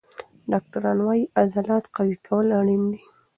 ډاکټران وایي عضلات قوي کول اړین دي.